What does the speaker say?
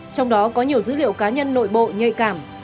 trong đó có nhiều dữ liệu cá nhân nội bộ nhạy cảm